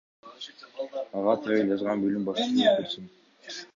Ага табель жазган бөлүм башчы жооп берсин.